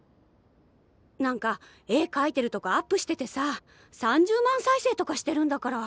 何か絵描いてるとこアップしててさ３０万再生とかしてるんだから。